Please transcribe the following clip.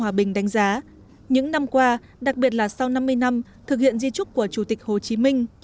hòa bình đánh giá những năm qua đặc biệt là sau năm mươi năm thực hiện di trúc của chủ tịch hồ chí minh